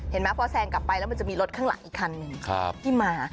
มั้พอแซงกลับไปแล้วมันจะมีรถข้างหลังอีกคันหนึ่งที่มา